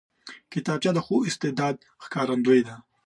کتابچه د ښو استعداد ښکارندوی ده